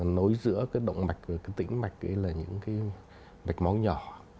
nối giữa cái động mạch và cái tỉnh mạch là những cái mạch máu nhỏ